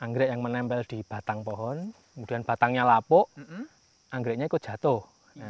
anggrek yang menempel di batang pohon kemudian batangnya lapuk anggreknya ikut jatuh